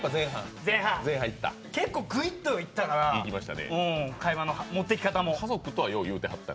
前半、結構ぐいっといったから会話の持っていき方も。